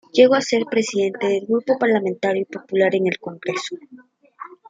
Llegó a ser presidente del grupo parlamentario popular en el Congreso.